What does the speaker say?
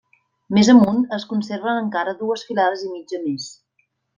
Més amunt es conserven encara dues filades i mitja més.